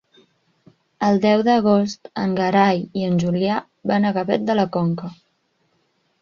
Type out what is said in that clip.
El deu d'agost en Gerai i en Julià van a Gavet de la Conca.